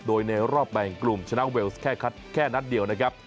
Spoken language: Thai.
โดยในรอบแบ่งกลุ่มชนะเวลส์แค่นัดเดียวนะครับ